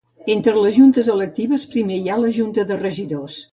Entre les juntes electives primer hi ha la junta de regidors.